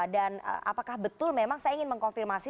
dan apakah betul memang saya ingin mengkonfirmasi